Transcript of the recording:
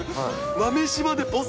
豆柴でボス。